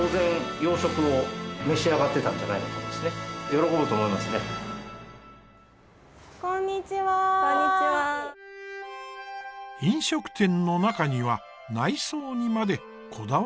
飲食店の中には内装にまでこだわる店も。